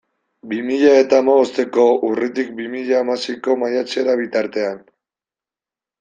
Bi mila eta hamabosteko urritik bi mila hamaseiko maiatzera bitartean.